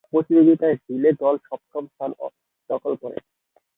প্রতিযোগিতায় রিলে দল সপ্তম স্থান দখল করে।